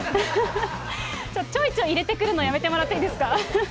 ちょいちょい入れてくるの、やめてもらっていいですか。